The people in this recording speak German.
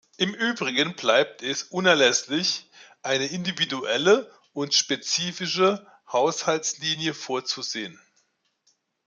Im übrigen bleibt es unerlässlich, eine individuelle und spezifische Haushaltslinie vorzusehen.